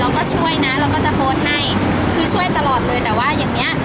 เราก็ช่วยนะเราก็จะโพสต์ให้คือช่วยตลอดเลยแต่ว่าอย่างเนี้ย